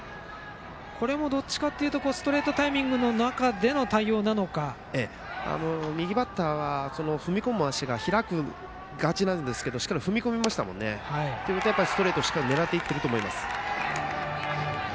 これも、どちらかというとストレートタイミングでの右バッターは踏み込む足が開きがちなんですけどしっかり踏み込みましたよね。ということはストレートを狙っていっていると思います。